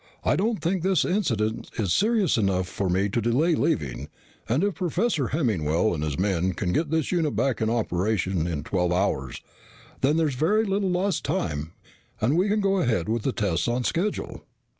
I don't think this incident is serious enough for me to delay leaving, and if Professor Hemmingwell and his men can get this unit back in operation in twelve hours, then there's very little time lost and we can go ahead with the tests on schedule."